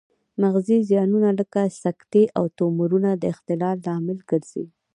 مغزي زیانونه لکه سکتې او تومورونه د اختلال لامل ګرځي